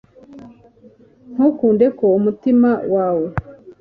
Ntukunde ko umutima wawe